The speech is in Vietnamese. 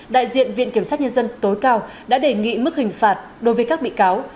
đại diện viện kiểm sát nhân dân tối cao đã đề nghị mức hình phạt đối với các bị cáo